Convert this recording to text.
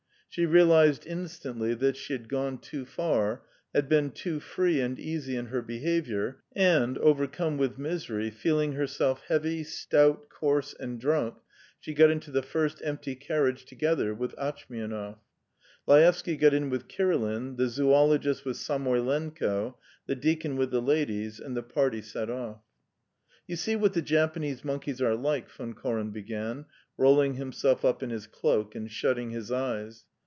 She realised instantly that she had gone too far, had been too free and easy in her behaviour, and overcome with misery, feeling herself heavy, stout, coarse, and drunk, she got into the first empty carriage together with Atchmianov. Laevsky got in with Kirilin, the zoologist with Samoylenko, the deacon with the ladies, and the party set off. "You see what the Japanese monkeys are like," Von Koren began, rolling himself up in his cloak and shutting his eyes.